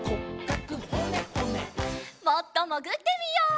もっともぐってみよう！